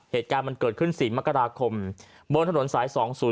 เหตุการณ์มันเกิดขึ้น๔มกราคมบนถนนสาย๒๐๔